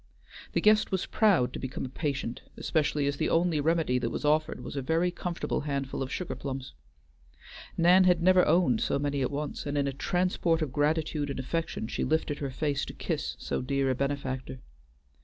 The guest was proud to become a patient, especially as the only remedy that was offered was a very comfortable handful of sugar plums. Nan had never owned so many at once, and in a transport of gratitude and affection she lifted her face to kiss so dear a benefactor.